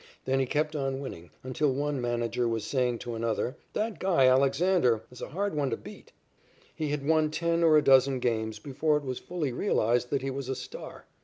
Then he kept on winning until one manager was saying to another: "That guy, Alexander, is a hard one to beat." He had won ten or a dozen games before it was fully realized that he was a star.